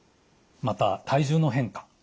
また体重の変化。